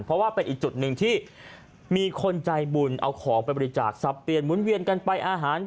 เพราะว่าเป็นอีกจุดหนึ่งที่มีคนใจบุญเอาของไปบริจาคทรัพย์เปลี่ยนหมุนเวียนกันไปอาหาร